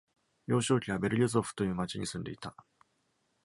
幼少期はベルリョゾフという町に住んでいた。